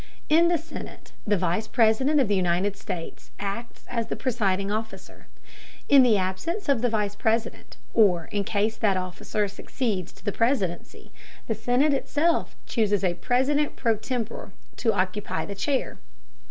In the Senate the Vice President of the United States acts as the presiding officer. In the absence of the Vice President, or in case that officer succeeds to the Presidency, the Senate itself chooses a president pro tempore to occupy the chair.